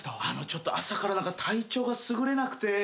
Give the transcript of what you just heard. あのちょっと朝から何か体調がすぐれなくて。